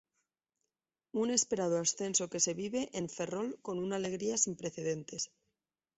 Un esperado ascenso que se vive en Ferrol con una alegría sin precedentes.